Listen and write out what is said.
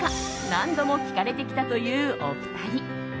何度も聞かれてきたというお二人。